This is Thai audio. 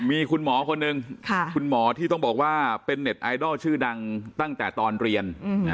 มีคุณหมอคนหนึ่งคุณหมอที่ต้องบอกว่าเป็นเน็ตไอดอลชื่อดังตั้งแต่ตอนเรียน